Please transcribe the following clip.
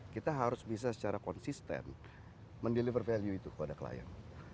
kita harus bisa secara konsisten mendeliver value itu kepada klien